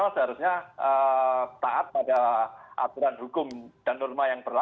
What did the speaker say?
padahal polisi profesional seharusnya taat pada aturan hukum dan norma yang tersebut